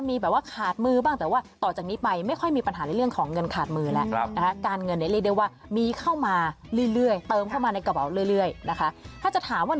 มีแบบว่าขาดมือบ้างแต่ว่าต่อจากนี้ไปไม่ค่อยมีปัญหาในเรื่องของเงินขาดมือแล้วนะคะ